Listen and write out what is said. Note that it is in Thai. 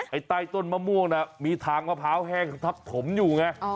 ใต้ต้นมะม่วงน่ะมีทางมะพร้าวแห้งทับถมอยู่ไง